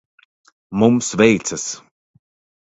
Mums veicas.